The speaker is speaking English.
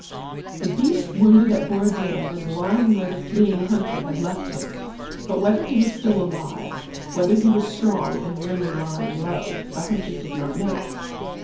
The beast wounded at Borodinó was lying where the fleeing hunter had left him; but whether he was still alive, whether he was strong and merely lying low, the hunter did not know.